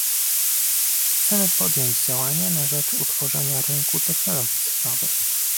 Chcemy podjąć działania na rzecz utworzenia rynku technologii cyfrowych